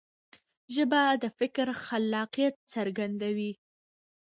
ژبه د فکر خلاقیت څرګندوي.